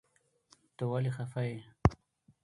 ته ولي خفه يي